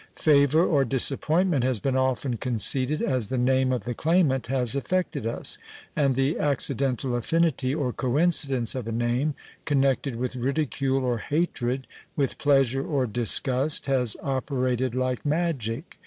Favour or disappointment has been often conceded as the name of the claimant has affected us; and the accidental affinity or coincidence of a name, connected with ridicule or hatred, with pleasure or disgust, has operated like magic.